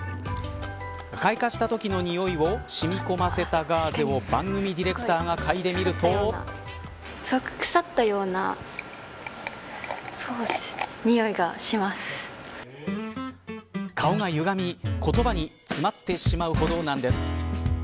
開花したときのにおいをしみこませたガーゼを番組ディレクターが腐ったような顔がゆがみ言葉に詰まってしまうほどなんです。